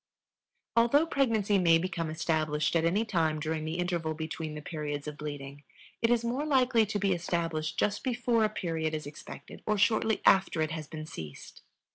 Although pregnancy may become established at any time during the interval between the periods of bleeding, it is more likely to be established just before a period is expected or shortly after it has ceased.